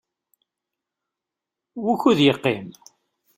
Wukud yeqqim?